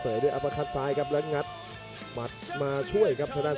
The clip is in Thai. เสยด้วยอัฟริกัสซ้ายและงัดมัดมาช่วยโตะแสนนั้น